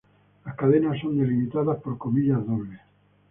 Las cadenas son delimitadas por comillas dobles.